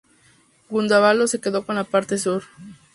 Gundebaldo se quedó con la parte sur.